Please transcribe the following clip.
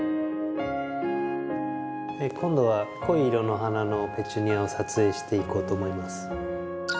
今度は濃い色の花のペチュニアを撮影していこうと思います。